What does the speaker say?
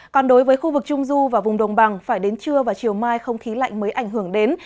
còn đối với khu vực trung du và vùng đồng bằng phải đến trưa và chiều mai không khí lạnh mới ảnh hưởng đến